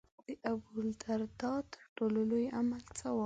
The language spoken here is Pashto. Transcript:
د ابوالدرداء تر ټولو لوی عمل څه و.